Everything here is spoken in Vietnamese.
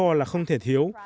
đã được gọi là không thể thiếu